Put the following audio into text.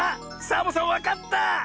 サボさんわかった！